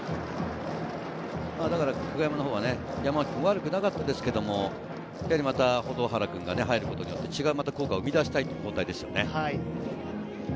久我山のほうは山脇君も悪くなかったですけれど、また保土原君が入ることによって、違う組み合わせを生み出したいということですね。